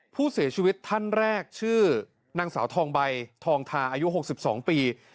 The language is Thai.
ผู้เสียชีวิตท่านแรกชื่อนางสาวทองใบทองทาอายุ๖๒ปี